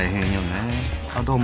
あどうも。